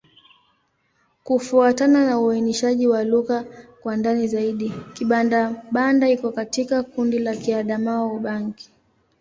Kufuatana na uainishaji wa lugha kwa ndani zaidi, Kibanda-Banda iko katika kundi la Kiadamawa-Ubangi.